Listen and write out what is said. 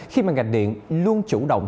khi mà ngành điện luôn chủ động